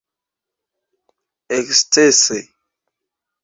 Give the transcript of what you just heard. ekscese